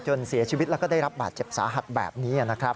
เสียชีวิตแล้วก็ได้รับบาดเจ็บสาหัสแบบนี้นะครับ